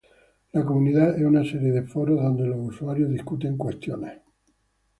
La comunidad es una serie de foros donde los usuarios discuten cuestiones futbolísticas.